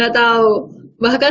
gak tau bahkan